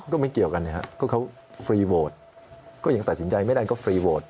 ก็ไม่เกี่ยวกันนะครับก็เขาฟรีโหวตก็ยังตัดสินใจไม่ได้ก็ฟรีโหวต